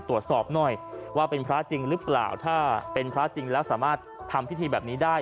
ตรวจสอบหน่อยว่าเป็นพระจริงหรือเปล่าถ้าเป็นพระจริงแล้วสามารถทำพิธีแบบนี้ได้